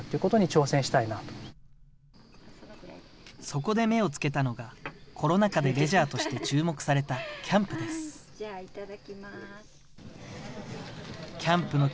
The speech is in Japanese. そこで目をつけたのが、コロナ禍でレジャーとして注目されたキャンプです。